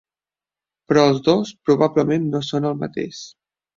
Però els dos probablement no són el mateix.